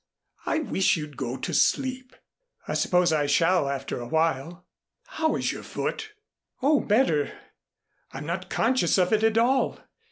"I wish you'd go to sleep." "I suppose I shall after a while." "How is your foot?" "Oh, better. I'm not conscious of it at all.